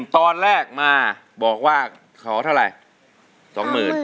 ตอนแรกมาบอกว่าขอเท่าไหร่